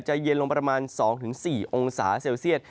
เย็นลงประมาณ๒๔องศาเซลเซียต